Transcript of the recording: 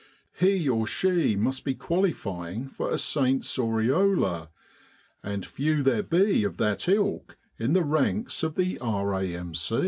He or she must be qualifying for a Saint's aureola and few there be of that ilk in the ranks of the R.A.M.